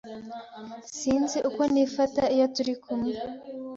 Sinzi uko nifata iyo turikumwe